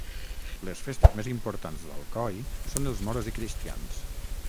Les festes més importants d'Alcoi són els moros i cristians